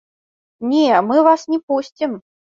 Не, мы вас не пусцім!